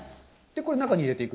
これを中に入れていく？